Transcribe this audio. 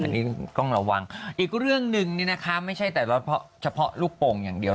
อันนี้ต้องระวังอีกเรื่องหนึ่งนี่นะคะไม่ใช่แต่เฉพาะลูกโป่งอย่างเดียว